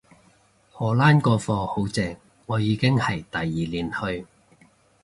荷蘭個課好正，我已經係第二年去